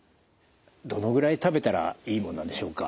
どのぐらい食べたらいいもんなんでしょうか？